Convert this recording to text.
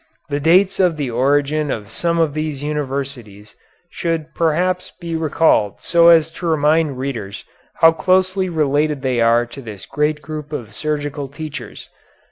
The dates of the origin of some of these universities should perhaps be recalled so as to remind readers how closely related they are to this great group of surgical teachers.